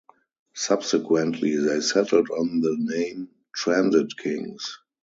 Subsequently, they settled on the name "Transit Kings".